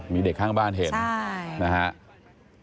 มีเด็กข้างบ้านเห็นใช่